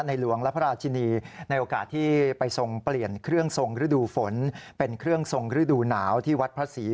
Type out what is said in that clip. หลวงและพระราชินีในโอกาสที่ไปทรงเปลี่ยนเครื่องทรงฤดูฝนเป็นเครื่องทรงฤดูหนาวที่วัดพระศรี